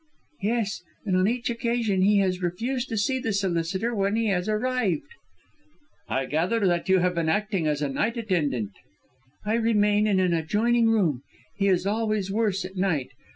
"Yes, and on each occasion he has refused to see the solicitor when he has arrived!" "I gather that you have been acting as night attendant?" "I remain in an adjoining room; he is always worse at night.